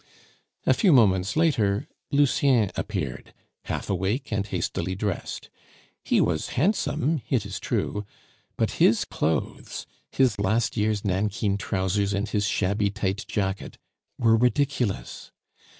A few moments later Lucien appeared, half awake and hastily dressed. He was handsome, it is true; but his clothes, his last year's nankeen trousers, and his shabby tight jacket were ridiculous.